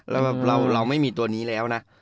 แล้วเราไม่มีตัวนี้แล้วนะ